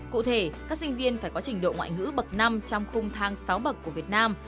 cụ thể các sinh viên phải có trình độ ngoại ngữ bậc năm trong khung tháng sáu bậc của việt nam